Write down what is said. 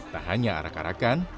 tak hanya arak arakan